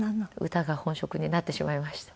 歌が本職になってしまいました。